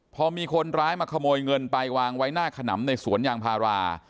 พอมีคนร้ายมาขโมยเงินไปวางไว้หน้าขนำในสวนยางพารา